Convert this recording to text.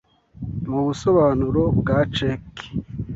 Mu busobanuro bwa Ceki